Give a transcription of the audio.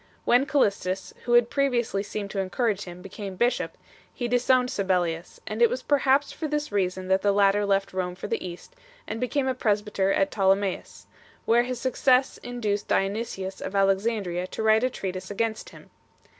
When Callistus, who had previously seemed to encourage him, became bishop, he disowned Sabellius, and it was perhaps for this reason that the latter left Rome for the East and became a presbyter at Ptolemais, where his success induced Dionysius of Alex andria to write a treatise against him.